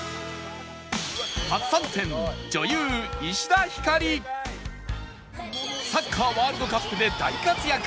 初参戦サッカーワールドカップで大活躍